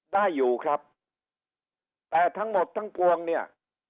ได้อยู่ครับแต่ทั้งหมดทั้งปวงเนี่ย